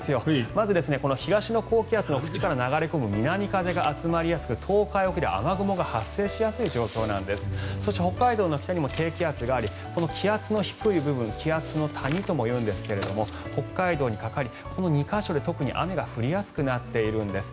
まず東の高気圧が淵から流れ込み南風が集まりやすく東海沖で雨雲が発生しやすい状況なんですそして北海道の北にも低気圧があり気圧の谷ともいうんですが北海道にかかり２か所で雨が降りやすくなっているんです。